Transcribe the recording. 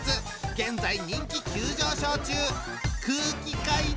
現在人気急上昇中！